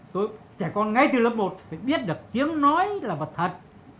trẻ con ngay từ lớp một phải biết được tiếng nói là vật thật